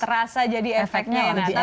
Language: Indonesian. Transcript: terasa jadi efeknya